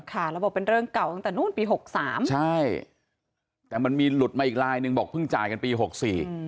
ค่ะแล้วบอกเป็นเรื่องเก่าตั้งแต่นู้นปีหกสามใช่แต่มันมีหลุดมาอีกลายหนึ่งบอกเพิ่งจ่ายกันปีหกสี่